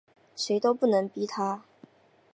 谁都不能逼他